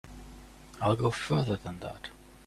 I'll go further than that.